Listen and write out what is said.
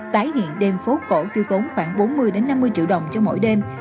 tái hiện đêm phố cổ tiêu tốn khoảng bốn mươi năm mươi triệu đồng cho mỗi đêm